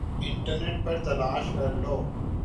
internet پر تلاش کر لو